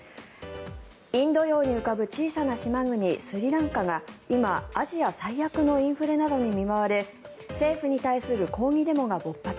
インド洋に浮かぶ小さな島国スリランカが今、アジア最悪のインフレなどに見舞われ政府に対する抗議デモが勃発。